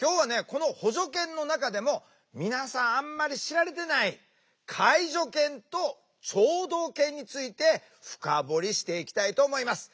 この補助犬の中でも皆さんあんまり知られていない介助犬と聴導犬について深掘りしていきたいと思います。